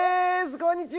こんにちは。